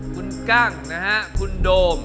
คุณกั้งนะฮะกุ่นโด่ม